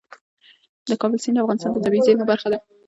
د کابل سیند د افغانستان د طبیعي زیرمو برخه ده.